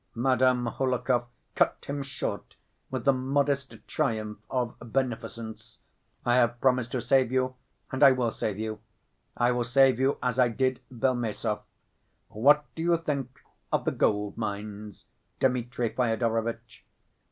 Madame Hohlakov cut him short, with the modest triumph of beneficence: "I have promised to save you, and I will save you. I will save you as I did Belmesov. What do you think of the gold‐mines, Dmitri Fyodorovitch?"